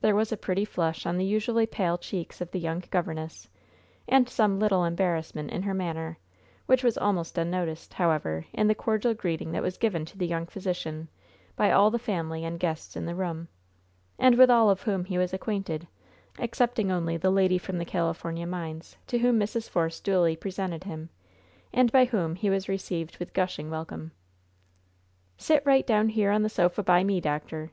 There was a pretty flush on the usually pale cheeks of the young governess, and some little embarrassment in her manner, which was almost unnoticed, however, in the cordial greeting that was given to the young physician by all the family and guests in the room, and with all of whom he was acquainted, excepting only the lady from the California mines, to whom Mrs. Force duly presented him, and by whom he was received with gushing welcome. "Sit right down here on the sofa by me, doctor!